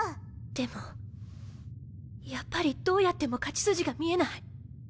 でもやっぱりどうやっても勝ち筋が見えない。